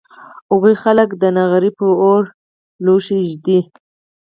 هغوی خلک د نغري په اور لوښي اېږدي